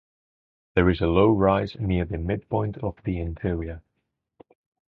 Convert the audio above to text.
There is a low rise near the midpoint of the interior.